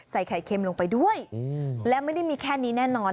ใส่ไข่เค็มลงไปด้วยและไม่ได้มีแค่นี้แน่นอน